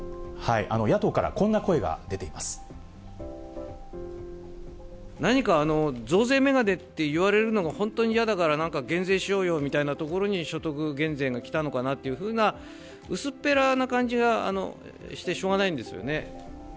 野党からこんな声が出ていま何か増税メガネって言われるのが、本当に嫌だから、なんか減税しようよみたいなところに所得減税がきたのかなっていうふうな、薄っぺらな感じがしてしょうがないんですよね。